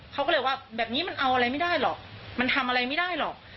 เขาก็เลยว่าแบบนี้มันเอาอะไรไม่ได้หรอกมันทำอะไรไม่ได้หรอก